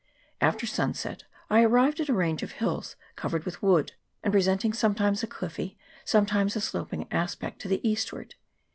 After sunset I arrived at a range of hills covered with wood, and presenting sometimes a cliffy, some times a sloping aspect to the eastward.